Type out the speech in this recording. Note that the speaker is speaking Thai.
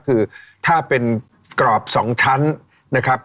คือถ้าเป็นกรอบ๒ชั้นนะครับ